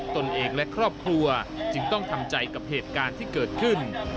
ตนเองและครอบครัวจึงต้องทำใจกับเหตุการณ์ที่เกิดขึ้น